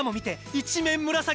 一面紫。